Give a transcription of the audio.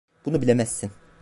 Bunu bilemezsin.